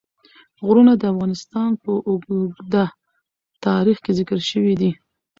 غرونه د افغانستان په اوږده تاریخ کې ذکر شوی دی.